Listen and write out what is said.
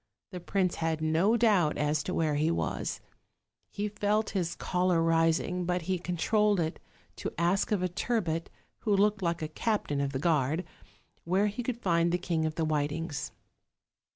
The prince had no doubt as to where he was: he felt his choler rising, but he controlled it to ask of a turbot, who looked like a captain of the guard, where he could find the King of the Whitings.